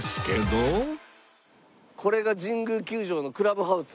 これが神宮球場のクラブハウス。